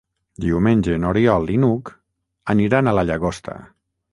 Diumenge n'Oriol i n'Hug aniran a la Llagosta.